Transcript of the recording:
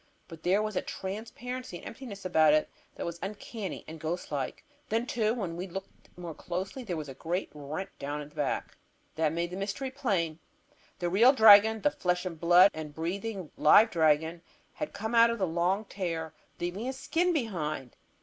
But there was a transparency and emptiness about it that was uncanny and ghost like. Then, too, when we looked more closely there was a great rent down the back. And that made the mystery plain. The real dragon, the flesh and blood and breathing live dragon, had come out of that long tear, leaving his skin behind!